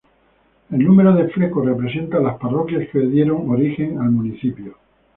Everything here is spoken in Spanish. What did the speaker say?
El número de flecos representa las parroquias que dieron origen al municipio.